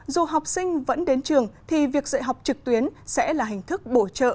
dù học sinh vẫn đến trường thì việc dạy học trực tuyến sẽ là hình thức bổ trợ